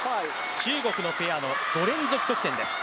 中国のペアの５連続得点です。